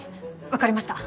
わかりました。